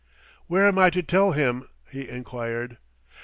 "Where am I to tell him?" he enquired.